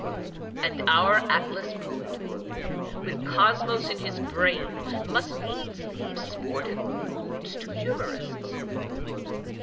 And our Atlas poet, with cosmos in his brain, must needs leave sportive moods to humorists